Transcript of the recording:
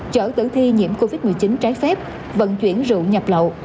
chở tử thi nhiễm covid một mươi chín trái phép vận chuyển rượu nhập lậu